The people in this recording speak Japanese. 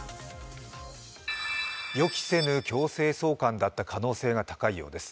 予期せぬ強制送還だった可能性が高いようです。